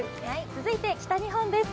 続いて北日本です。